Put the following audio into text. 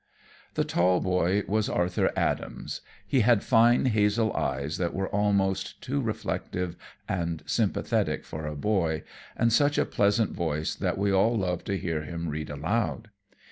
The tall boy was Arthur Adams. He had fine hazel eyes that were almost too reflective and sympathetic for a boy, and such a pleasant voice that we all loved to hear him read aloud.